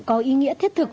có ý nghĩa thiết thực